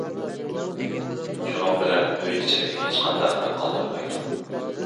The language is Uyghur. شۇنىڭ بىلەن ئۆي ئىچىدە ھېچقانداق رەڭ قالدۇرمايدۇ.